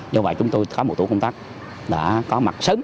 do vậy chúng tôi có một tổ công tác đã có mặt sớm